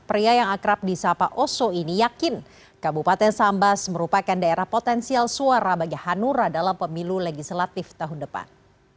pria yang akrab di sapa oso ini yakin kabupaten sambas merupakan daerah potensial suara bagi hanura dalam pemilu legislatif tahun depan